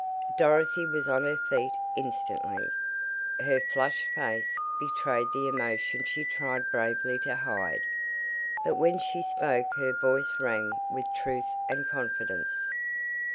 Dorothy was on her feet instantly. Her flushed face betrayed the emotion she tried bravely to hide, but when she spoke her voice rang with truth and confidence.